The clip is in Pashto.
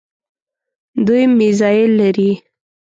دوی میزایل لري.